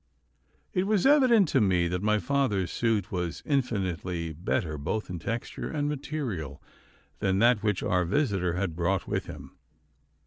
It was evident to me that my father's suit was infinitely better, both in texture and material, than that which our visitor had brought with him.